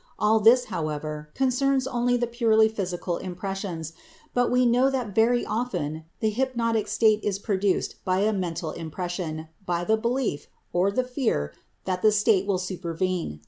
All this, however, concerns only the purely physical impression, but we know that very often the hypnotic state is produced by a mental impression, by the belief, or the fear, that the state will supervene.